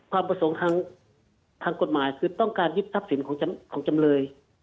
ความประสงค์ทางกฎหมายคือต้องการยึดทรัพย์สินของจำเลย